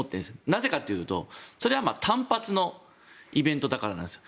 なぜかというと、それは単発のイベントだからなんです。